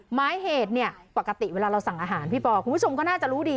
หมายเหตุเนี่ยปกติเวลาเราสั่งอาหารพี่ปอคุณผู้ชมก็น่าจะรู้ดี